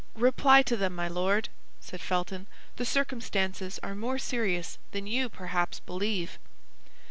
"Reply to them, my Lord," said Felton; "the circumstances are more serious than you perhaps believe."